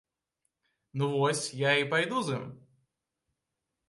Ну вось, я і пайду з ім.